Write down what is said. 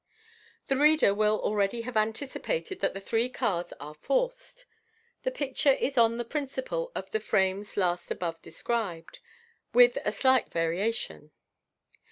The reader will already have anticipated that the three cards are "forced." The picture is on the principle of the frames last above described, with a slight variation.